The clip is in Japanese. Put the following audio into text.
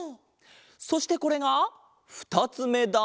そしてこれがふたつめだ。